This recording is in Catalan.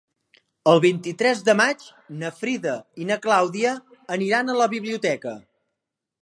El vint-i-tres de maig na Frida i na Clàudia aniran a la biblioteca.